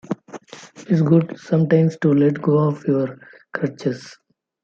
It's good sometimes to let go of your crutches.